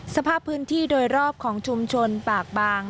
สภาพพื้นที่โดยรอบของชุมชนปากบาง